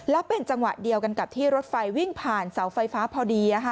แล้วเป็นจังหวะเดียวกันกับที่รถไฟวิ่งผ่านเสาไฟฟ้าพอดี